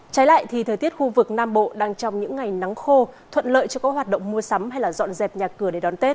trái lại thì thời tiết khu vực nam bộ đang trong những ngày nắng khô thuận lợi cho các hoạt động mua sắm hay dọn dẹp nhà cửa để đón tết